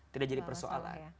tidak jadi persoalan